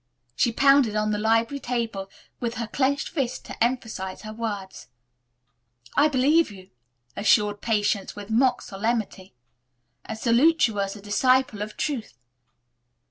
She pounded on the library table with her clenched fist to emphasize her words. "I believe you," assured Patience with mock solemnity, "and salute you as a disciple of truth."